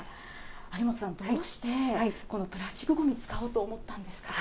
有本さん、どうして、このプラスチックごみ、使おうと思ったんですか？